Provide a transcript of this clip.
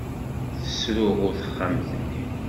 Tesruɣu texxamt-nni.